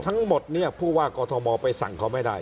ทั้งหมดพูดว่ากอทมไปสั่งเขาไม่ได้